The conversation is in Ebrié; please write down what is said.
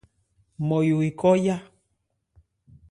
Nmɔyo ekɔ́ yá.